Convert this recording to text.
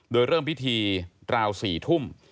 โดยเริ่มพิธีราว๔ทุ่ม